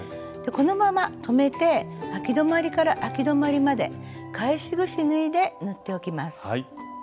このまま留めてあき止まりからあき止まりまで返しぐし縫いで縫っておきます。